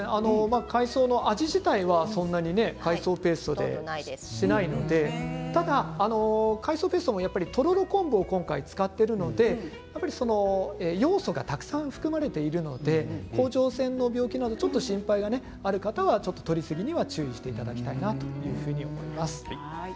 海藻の味自体はそんなに海藻ペーストでしないのでただ、海藻ペーストもとろろ昆布を今回使っているのでヨウ素がたくさん含まれているので甲状腺の病気などちょっと心配がある方はとりすぎには注意していただきたいなと思います。